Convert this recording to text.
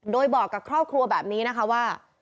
โดยบอกกับครอบครัวแบบนี้นะคะว่า